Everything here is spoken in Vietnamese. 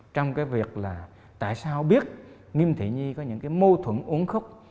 trong việc là tại sao biết nghiêm thị nhi có những mâu thuẫn ốn khúc